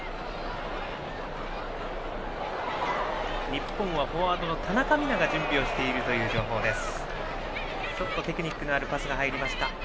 日本はフォワードの田中美南が準備をしているという情報です。